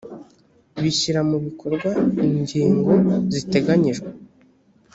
bishyira mu bikorwa ingingo ziteganyijwe